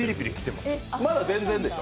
まだ全然でしょ？